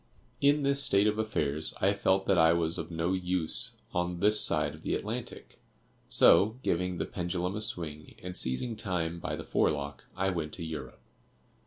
"In this state of affairs I felt that I was of no use on this side of the Atlantic; so, giving the pendulum a swing, and seizing time by the forelock, I went to Europe.